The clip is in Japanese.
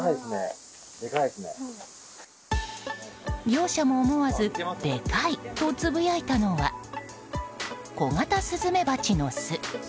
業者も、思わずでかいとつぶやいたのはコガタスズメバチの巣。